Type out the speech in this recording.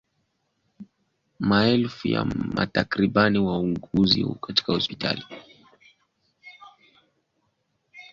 Maelfu ya madaktari na wauguzi katika hospitali za serikali kwenye taifa hilo la kusini mwa Afrika